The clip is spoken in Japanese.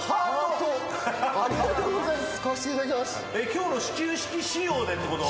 今日の始球式仕様でってこと？